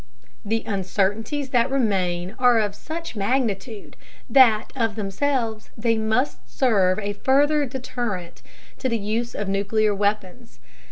The uncertainties that remain are of such magnitude that of themselves they must serve as a further deterrent to the use of nuclear weapons.